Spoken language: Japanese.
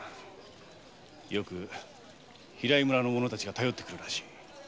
よく平井村の者たちが頼ってくるらしい。